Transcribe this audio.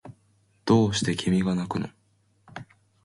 どうして君がなくの